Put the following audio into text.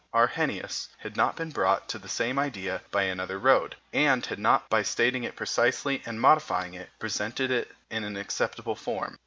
Arrhenius, had not been brought to the same idea by another road, and, had not by stating it precisely and modifying it, presented it in an acceptable form.